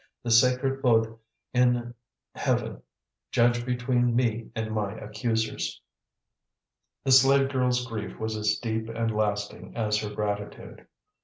The sacred Buddh in heaven judge between me and my accusers!" The slave girl's grief was as deep and lasting as her gratitude.